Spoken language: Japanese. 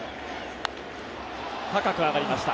高く上がりました。